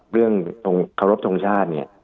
เรื่องขอบรับทรงชาติเนี่ย